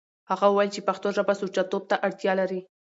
هغه وويل چې پښتو ژبه سوچه توب ته اړتيا لري.